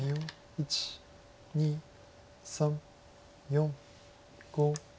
１２３４５。